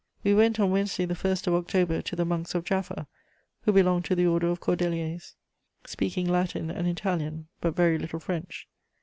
"We went, on Wednesday the 1st of October, to the monks of Jaffa, who belong to the Order of Cordeliers, speaking Latin and Italian, but very little French.